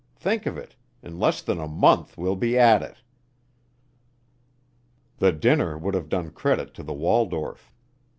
Think of it, in less than a month we'll be at it!" The dinner would have done credit to the Waldorf.